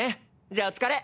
じゃあお疲れ。